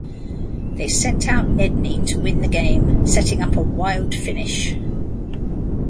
They sent out Nedney to win the game, setting up a wild finish.